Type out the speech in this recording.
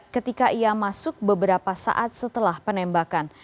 ketika ia masuk beberapa saat setelah penembakan